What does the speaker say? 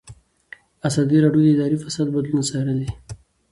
ازادي راډیو د اداري فساد بدلونونه څارلي.